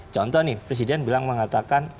contoh nih presiden bilang mengatakan